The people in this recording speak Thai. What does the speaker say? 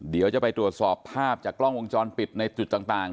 เดี๋ยวจะไปตรวจสอบภาพจากกล้องวงจรปิดในจุดต่าง